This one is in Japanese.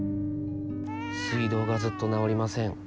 「水道がずっと直りません。